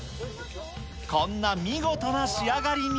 こんな見事な仕上がりに。